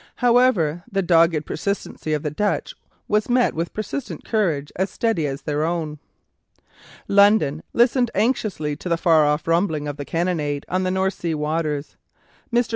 However, the dogged persistency of the Dutch was met with persistent courage as steady as their own. London listened anxiously to the far off rumbling of the cannonade on the North Sea waters. Mr.